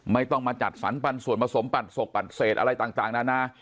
ไม่ต้องมาจัดสรรปันส่วนผสมปั่นศพปั่นเศษอะไรต่างนานา